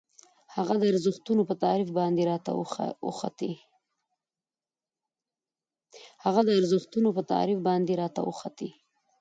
هغه د ارزښتونو په تعریف باندې راته اوښتي.